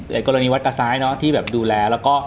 กรณีวัดตาซ้ายเนอะที่แบบดูแลแล้วก็